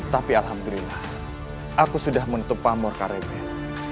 tapi alhamdulillah aku sudah menutup pamur karetnya